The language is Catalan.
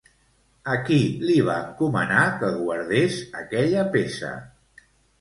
A qui li va encomanar que guardés aquella peça?